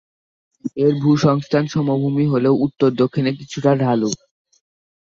এর ভূসংস্থান সমভূমি হলেও উত্তর দক্ষিণে কিছুটা ঢালু।